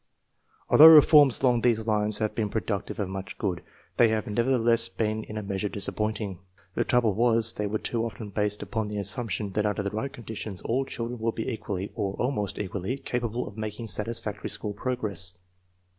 Although reforms along these lines have been productive of much good, they have nevertheless been in a measure disappointing. The trouble was, they were too often based upon the assump tion that under the right conditions all children would be 4 THE MEASUREMENT OF INTELLIGENCE equally, or almost equally, capable of making satisfactory school progress.